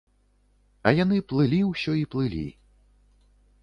А яны плылі ўсё і плылі.